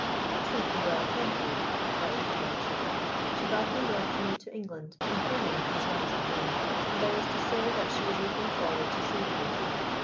"Excellently well, thank you," replied his lordship. "She bade me welcome you to England in her name as well as my own, and I was to say that she is looking forward to seeing you."